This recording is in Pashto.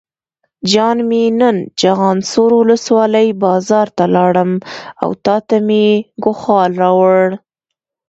جان مې نن چخانسور ولسوالۍ بازار ته لاړم او تاته مې ګوښال راوړل.